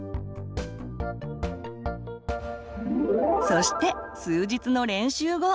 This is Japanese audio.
そして数日の練習後。